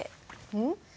うん？